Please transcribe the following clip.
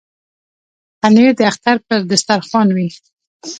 پنېر د اختر پر دسترخوان وي.